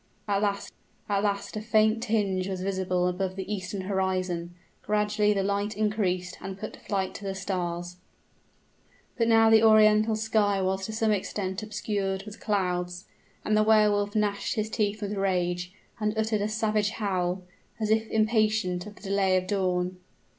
At last at last a faint tinge was visible above the eastern horizon; gradually the light increased and put to flight the stars. But now the Oriental sky was to some extent obscured with clouds; and the Wehr Wolf gnashed his teeth with rage, and uttered a savage howl, as if impatient of the delay of dawn.